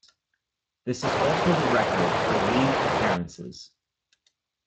This is also the record for League appearances.